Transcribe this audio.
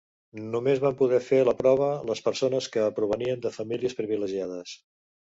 Només van poder fer la prova les persones que provenien de famílies privilegiades.